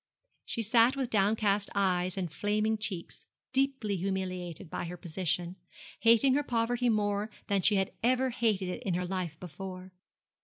She sat with downcast eyes and flaming cheeks, deeply humiliated by her position, hating her poverty more than she had ever hated it in her life before.